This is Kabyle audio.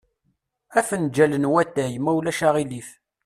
Afenǧal n watay, ma ulac aɣilif.